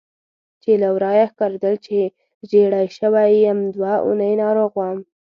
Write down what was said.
چې له ورایه ښکارېدل چې ژېړی شوی یم، دوه اونۍ ناروغ وم.